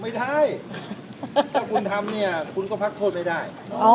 ไม่ได้ถ้าคุณทำเนี่ยคุณก็พักโทษไม่ได้